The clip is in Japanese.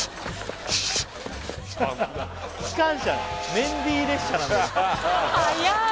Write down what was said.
メンディー列車なんだ